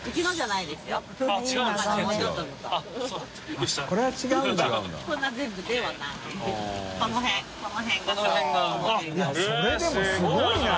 いそれでもすごいな！